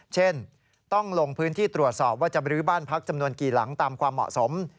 เช่นต้องลงพื้นที่ตรวจสอบว่าจะบรื้อบ้านพักจำนวนกี่หลังตามความเหมาะสม